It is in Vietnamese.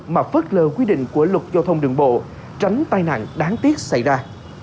mà phớt lờ quy định của luật giao thông đường bộ tránh tai nạn đáng tiếc xảy ra